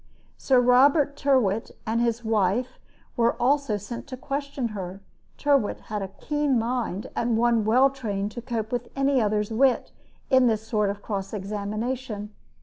Sir Robert Tyrwhitt and his wife were also sent to question her, Tyrwhitt had a keen mind and one well trained to cope with any other's wit in this sort of cross examination.